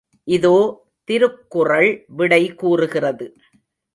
இதோ திருக்குறள் விடை கூறுகிறது.